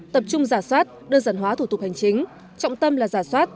tập trung giả soát đơn giản hóa thủ tục hành chính trọng tâm là giả soát